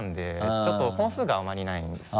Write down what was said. ちょっと本数があまりないんですよね。